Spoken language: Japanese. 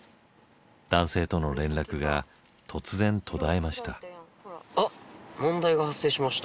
男性との連絡が突然途絶えました。